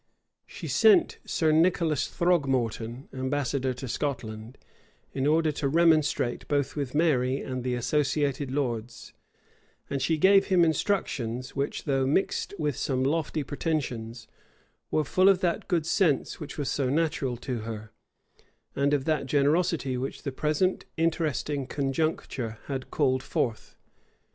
She sent Sir Nicholas Throgmorton ambassador to Scotland, in order to remonstrate both with Mary and the associated lords; and she gave him instructions, which, though mixed with some lofty pretensions, were full of that good sense which was so natural to her, and of that generosity which the present interesting conjuncture had called forth.